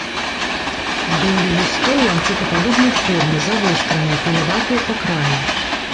Долі лістоў ланцэтападобнай формы, завостраныя, пілаватыя па краі.